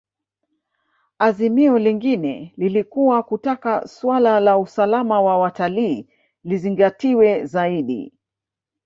Azimio lingine lilikuwa kutaka suala la usalama wa watalii lizingatiwe zaidi